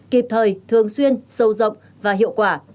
kịp thời thường xuyên sâu rộng và hiệu quả